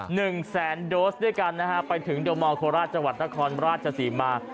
หนึ่งแสนโดสด้วยกันนะฮะไปถึงโดมอลโคราชจังหวัดนครราชศรีมา